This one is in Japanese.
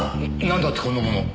なんだってこんなものを？